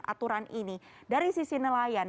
aturan ini dari sisi nelayan